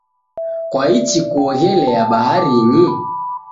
Kwaichi kuoghelia baharinyi?